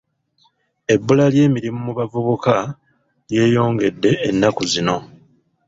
Ebbula ly'emirimu mu bavubuka lyeyongedde ennaku zino.